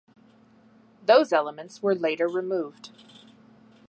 Those elements were later removed.